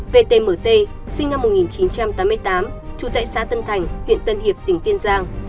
v t m t sinh năm một nghìn chín trăm tám mươi tám trú tại xã tân thành huyện tân hiệp tỉnh tiên giang